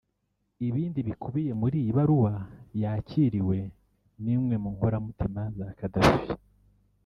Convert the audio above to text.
Ibindi bikubiye muri iyi baruwa yakiriwe n’imwe mu inkoramutima za Gaddafi